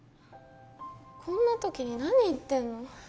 こんな時に何言ってんの？